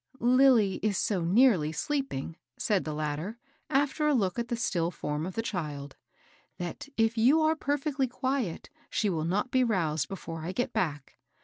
" Lilly is so nearly sleeping," said the latter, after a look at the still form of the child, ^^that if you are perfectly quiet she will not be roused before I get back.